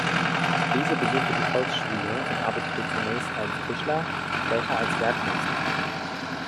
Griese besuchte die Volksschule und arbeitete zunächst als Tischler, später als Werkmeister.